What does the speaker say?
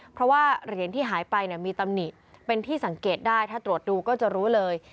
เพราะว่าเหรียญที่หายไปมีตำหนิเป็นที่สังเกตได้ถ้าตรวจดูก็จะรู้เลย